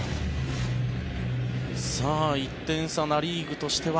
１点差、ナ・リーグとしては。